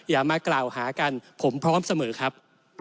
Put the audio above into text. อย่ามากล่าวหากันผมพร้อมเสมอครับ